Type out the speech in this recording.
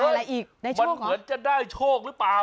มันเหมือนจะได้โชคหรือเปล่า